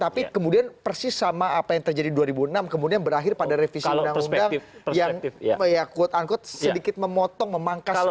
tapi kemudian persis sama apa yang terjadi dua ribu enam kemudian berakhir pada revisi undang undang yang quote unquote sedikit memotong memangkas